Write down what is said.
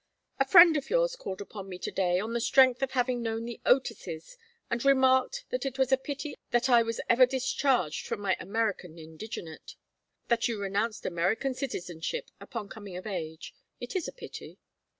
"A friend of yours called upon me to day, on the strength of having known the Otises, and remarked that it was a pity I was ever discharged from my American indigenate." "That you renounced American citizenship upon coming of age. It is a pity."